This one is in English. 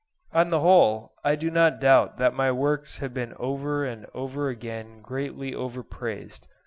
On the whole I do not doubt that my works have been over and over again greatly overpraised.